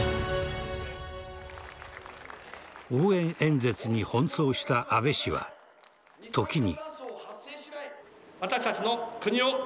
応援演説に奔走した安倍氏は時に。